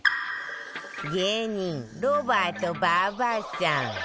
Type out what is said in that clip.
芸人ロバート馬場さん